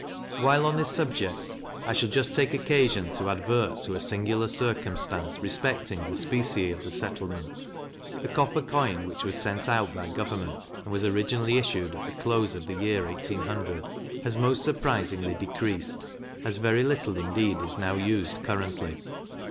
While on this subject, I shall just take occasion to advert to a singular circumstance respecting the specie of the settlement. The copper coin which was sent out by government, and was originally issued at the close of the year 1800, has most surprisingly decreased, as very little indeed is now used currently.